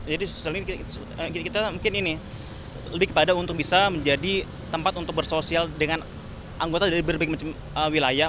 jadi kita mungkin ini lebih kepada untuk bisa menjadi tempat untuk bersosial dengan anggota dari berbagai wilayah